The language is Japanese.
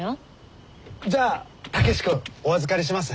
じゃあ武志君お預かりします。